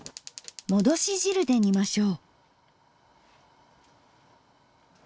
もどし汁で煮ましょう。